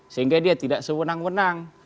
sehingga dia tidak sewenang wenang